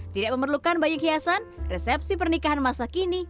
tidak memerlukan banyak hiasan resepsi pernikahan masa kini